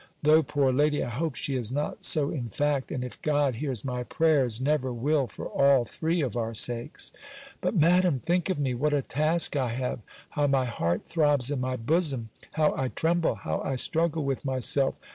Though, poor lady, I hope she is not so in fact; and, if God hears my prayers, never will, for all three of our sakes." But, Madam, think of me, what a task I have! How my heart throbs in my bosom! How I tremble! how I struggle with myself!